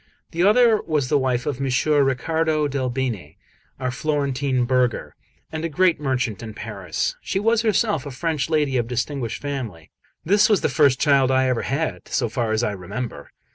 The other was the wife of M. Ricciardo del Bene, our Florentine burgher, and a great merchant in Paris; she was herself a French lady of distinguished family. This was the first child I ever had, so far as I remember.